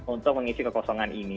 untuk mengisi kekosongan ini